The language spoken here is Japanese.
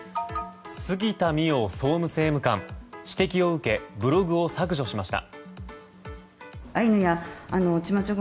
杉田水脈総務政務官指摘を受けブログを削除しました。